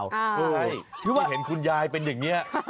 เพราะว่าไม่เห็นคุณยายเป็นอย่างนี้